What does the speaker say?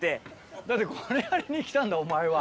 だってこれやりに来たんだお前は。